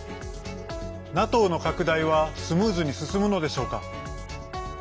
ＮＡＴＯの拡大はスムーズに進むのでしょうか。